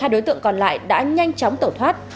hai đối tượng còn lại đã nhanh chóng tẩu thoát